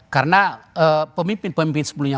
karena pemimpin pemimpin sebelumnya